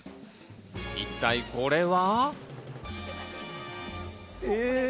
一体これは？